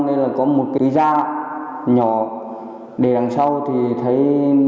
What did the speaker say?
nên là có một cái da nhỏ để đằng sau thì thấy